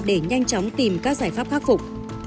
để nhanh chóng tìm các giải pháp khắc phục